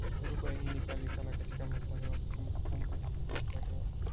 Dhoruba hii ni kali sana katika muktadha wa kumbukumbu za kihistoria